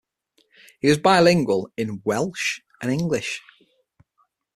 He was bilingual in Welsh and English.